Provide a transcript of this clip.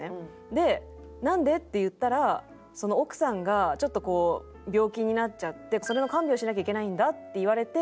で「なんで？」って言ったら奥さんがちょっと病気になっちゃって「それの看病をしなきゃいけないんだ」って言われて。